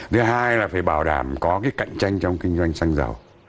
thứ hai là phải bảo đảm có cái cạnh tranh trong kinh doanh xăng dầu